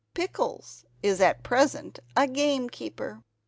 Pickles is at present a game keeper.